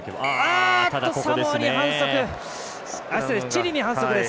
ただチリに反則です。